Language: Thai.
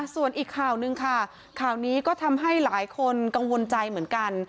ส่วนอีกข่าวหนึ่งค่ะข่าวนี้ก็ทำให้หลายคนกังวลใจเหมือนกัน